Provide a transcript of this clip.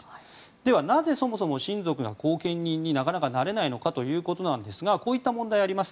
では、なぜそもそも親族が後見人になれないのかということなんですがこういった問題あります。